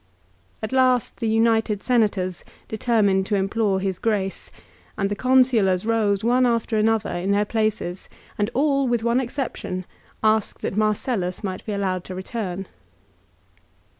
At last the united Senators determined to implore his grace, and the Consulars rose one after another in their places, and all, MARCELLUS, LIGARIUS, AND DEIOTARUS. 177 with one exception, 1 asked that Marcellus might be allowed to return.